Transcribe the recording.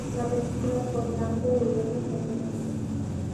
La película fue blanco de diversas controversias.